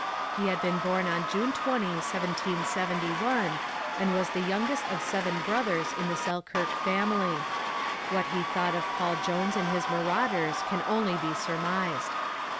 He had been born on June 20, 1771, and was the youngest of seven brothers in the Selkirk family. What he thought of Paul Jones and his marauders can only be surmised.